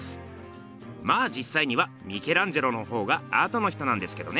まあじっさいにはミケランジェロのほうがあとの人なんですけどね。